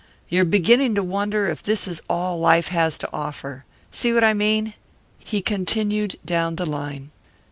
You're beginning to wonder if this is all life has to offer see what I mean?" He continued down the line.